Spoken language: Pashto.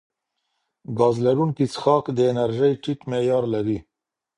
ګاز لرونکي څښاک د انرژۍ ټیټ معیار لري.